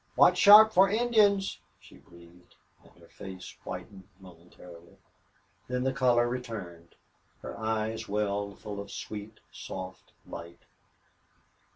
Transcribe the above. "Watch sharp for Indians," she breathed, and her face whitened momentarily. Then the color returned. Her eyes welled full of sweet, soft light.